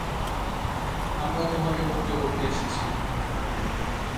আমরা তোমাকে মুক্ত করতে এসেছি।